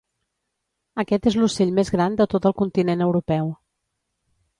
Aquest és l'ocell més gran de tot el continent europeu.